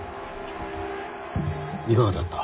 いかがであった。